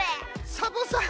サボさん。